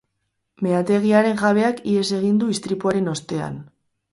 Meategiaren jabeak ihes egin du istripuaren ostean.